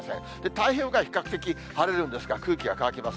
太平洋側、比較的晴れるんですが、空気が乾きます。